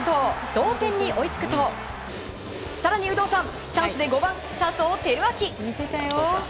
同点に追いつくと更にチャンスで５番、佐藤輝明。